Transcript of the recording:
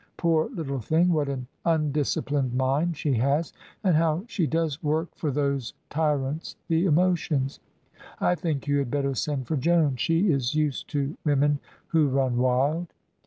Poor little thing, what an undisciplined mind she has, and how she does work for those tyrants the emotions! I think you had better send for Joan: she is used to women who run wild."